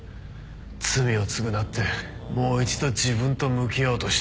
罪を償ってもう一度自分と向き合おうとしてた。